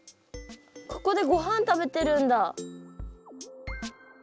ここでごはん食べてるんだ。